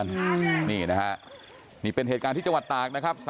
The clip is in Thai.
ใช่นี่นะฮะนี่เป็นเหตุการณ์ที่จังหวัดตากนะครับ